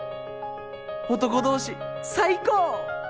男同士最高！